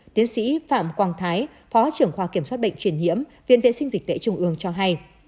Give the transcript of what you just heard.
tiến sĩ phạm quang thái phó trưởng khoa kiểm soát bệnh truyền nhiễm viện vệ sinh dịch tễ trung ương cho hay